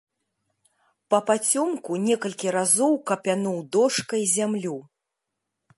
Папацёмку некалькі разоў капянуў дошкай зямлю.